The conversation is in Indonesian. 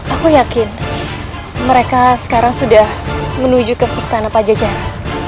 aku yakin mereka sekarang sudah menuju ke pistana pajajara